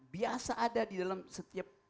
biasa ada di dalam setiap